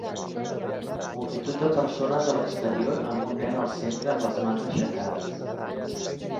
Multitud de persones a l'exterior amb un nen al centre amb les mans aixecades.